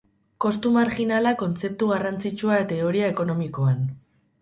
Kostu marjinala kontzeptu garrantzitsua teoria ekonomikoan.